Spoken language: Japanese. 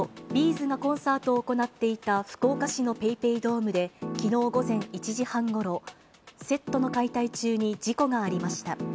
’ｚがコンサートを行っていた福岡市のＰａｙＰａｙドームで、きのう午前１時半ごろ、セットの解体中に事故がありました。